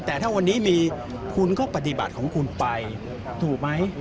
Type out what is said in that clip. แต่ถ้าวันนี้มีคุณก็ปฏิบัติของคุณไปถูกไหม